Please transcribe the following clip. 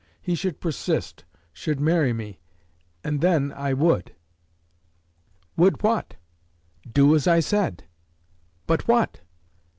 He should persist, should marry me, and then I would." "Would what?" "Do as I said." "But what?"